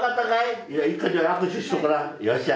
よっしゃ。